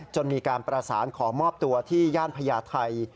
จนมีการประสานขอมอบตัวที่ย่านพญาไทย